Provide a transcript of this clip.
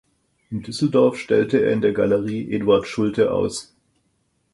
In Düsseldorf stellte er in der Galerie Eduard Schulte aus.